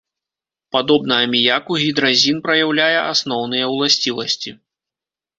Падобна аміяку гідразін праяўляе асноўныя ўласцівасці.